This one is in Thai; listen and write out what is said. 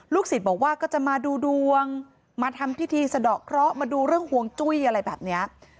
ศิษย์บอกว่าก็จะมาดูดวงมาทำพิธีสะดอกเคราะห์มาดูเรื่องห่วงจุ้ยอะไรแบบนี้